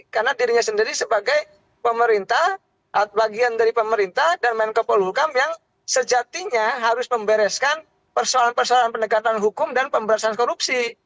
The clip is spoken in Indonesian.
karena dirinya sendiri sebagai pemerintah bagian dari pemerintah dan mengepol hukum yang sejatinya harus membereskan persoalan persoalan penegakan hukum dan pemberesan korupsi